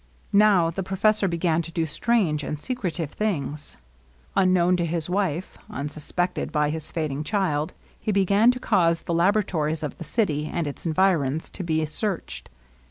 Now the professor began to do strange and secre tive things. Unknown to his wife, unsuspected by his fading child, he began to cause the laboratories of the city and its environs to be searched.